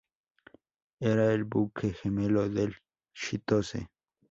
Era el buque gemelo del "Chitose".